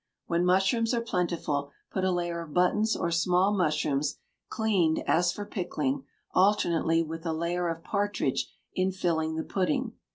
When mushrooms are plentiful, put a layer of buttons or small mushrooms, cleaned as for pickling, alternately with a layer of partridge in filling tho pudding.